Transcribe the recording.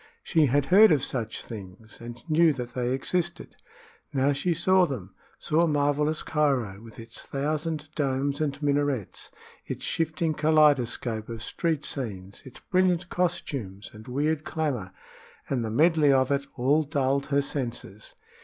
She had heard of such things and knew that they existed. Now she saw them saw marvelous Cairo, with its thousand domes and minarets, its shifting kaleidoscope of street scenes, its brilliant costumes and weird clamor and the medley of it all dulled her senses.